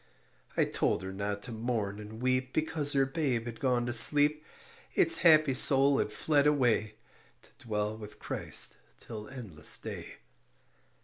I told her not to mourn and weep Because her babe had gone to sleep; Its happy soul had fled away To dwell with Christ till endless day.